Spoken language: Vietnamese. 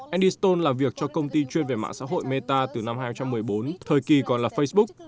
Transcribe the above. andi stone làm việc cho công ty chuyên về mạng xã hội meta từ năm hai nghìn một mươi bốn thời kỳ còn là facebook